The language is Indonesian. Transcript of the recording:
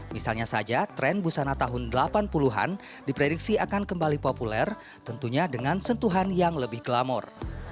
misalnya saja tren busana tahun delapan puluh an diprediksi akan kembali populer tentunya dengan sentuhan yang lebih glamor